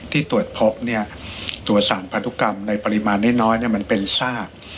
ที่ตรวจพบเนี่ยตรวจสารพันธุกรรมในปริมาณน้อยมันเป็นซาก